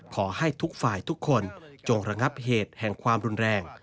ขอให้ทุกฝ่ายทุกคนจงระงับเหตุแห่งความรุนแรง